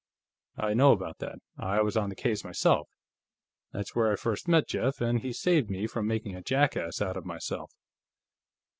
I know about that; I was on the case, myself. That's where I first met Jeff, and he saved me from making a jackass out of myself.